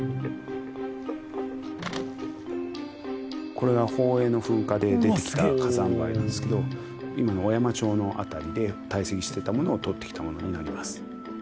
これが宝永の噴火で出てきた火山灰なんですけど今の小山町の辺りで堆積してたものをとってきたものになります。